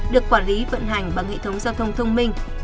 được quản lý vận hành bằng hệ thống giao thông thông minh